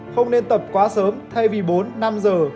không nên tập quá sớm thay vì bốn năm giờ